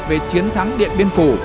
về chiến thắng điện biên phủ